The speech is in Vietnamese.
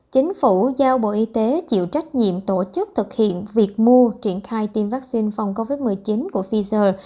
chính phủ giao bộ y tế chịu trách nhiệm tổ chức thực hiện việc mua triển khai tiêm vaccine phòng covid một mươi chín của pfizer